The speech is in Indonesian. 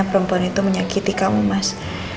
perempuan itu menyakiti kamu mas